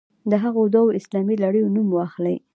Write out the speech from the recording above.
د هغو دوو اسلامي لړیو نوم واخلئ.